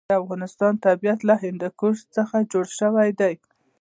د افغانستان طبیعت له هندوکش څخه جوړ شوی دی.